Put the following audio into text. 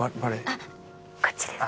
あっこっちです。